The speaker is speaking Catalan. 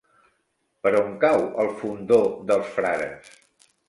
Per on cau el Fondó dels Frares?